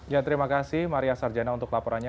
ya terima kasih maria sarjana untuk laporannya